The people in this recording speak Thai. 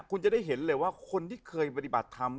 คุณจะได้เห็นเลยว่าคนที่เคยปฏิบัติธรรม